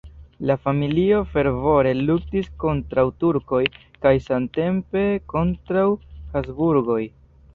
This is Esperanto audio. La familio fervore luktis kontraŭ turkoj kaj samtempe kontraŭ Habsburgoj.